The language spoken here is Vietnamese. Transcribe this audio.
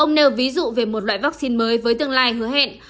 ông nêu ví dụ về một loại vaccine mới với tương lai hứa hẹn